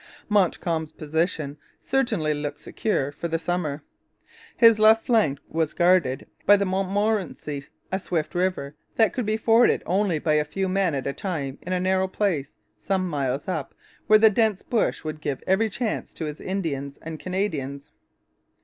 Montcalm's position certainly looked secure for the summer. His left flank was guarded by the Montmorency, a swift river that could be forded only by a few men at a time in a narrow place, some miles up, where the dense bush would give every chance to his Indians and Canadians.